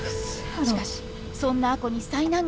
しかしそんな亜子に災難が。